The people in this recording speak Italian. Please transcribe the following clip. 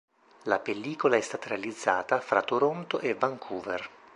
La pellicola è stata realizzata fra Toronto e Vancouver.